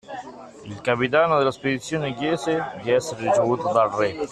Il capitano della spedizione chiese di essere ricevuto dal Re.